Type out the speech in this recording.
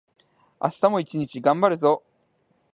明日も一日がんばるぞ